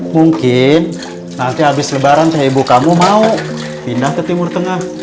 mungkin nanti habis lebaran ibu kamu mau pindah ke timur tengah